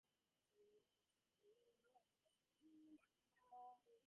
What can be happening?